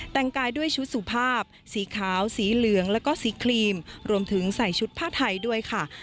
แต่งกายด้วยชุดสุภาพสีขาวสีเหลืองแล้วก็สีครีมรวมถึงใส่ชุดผ้าไทยด้วยค่ะ